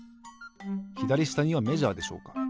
ひだりしたにはメジャーでしょうか？